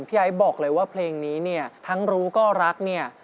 ไอ้บอกเลยว่าเพลงนี้เนี่ยทั้งรู้ก็รักเนี่ย